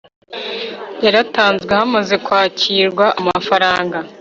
yaratanzwe hamaze kwakirwa amafaranga.